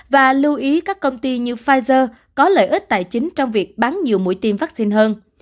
và lưu ý các công ty như pfizer có lợi ích tài chính trong việc bán nhiều mũi tiêm vaccine hơn